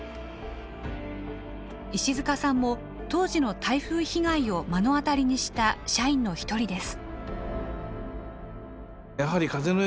石塚さんも当時の台風被害を目の当たりにした社員の一人です。